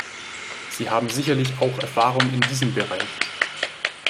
Sie haben sicherlich auch Erfahrung in diesem Bereich.